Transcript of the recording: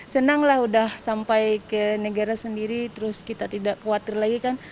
senang lah udah sampai ke negara sendiri terus kita tidak khawatir lagi kan